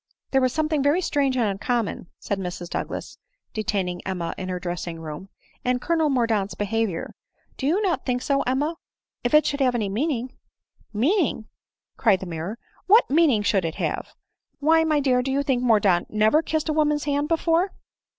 " There was something very strange and uncommon," said Mrs Douglas, detaining Emma in her dressing room, " in Colonel Mordaunt's behavior — Do you not think so, Emma ?— If it should have any meaning !"" Meaning !" cried the Major ;" what meaning should it have ? Why, my dear, do you think Mordaunt never kissed a woman's hand before